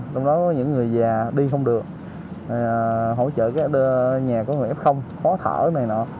trong đó có những người già đi không được hỗ trợ các nhà có người f khó thở này nọ